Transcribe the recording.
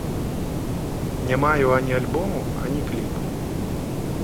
Не маю ані альбому, ані кліпу.